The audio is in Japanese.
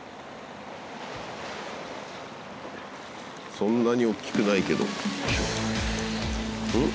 そんなに大っきくないけどよいしょん？